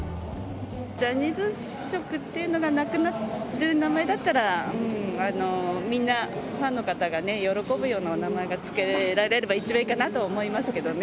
ジャニーズ色っていうのがなくなる名前だったら、みんなファンの方がね、喜ぶような名前が付けられれば一番いいかなと思いますけどね。